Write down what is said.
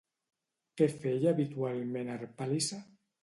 Què feia habitualment Harpàlice?